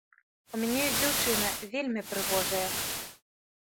У мяне ёсць дзяўчына, вельмі прыгожая.